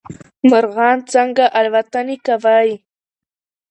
مارغان څنګه الوتنې کوی